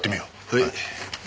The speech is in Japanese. はい。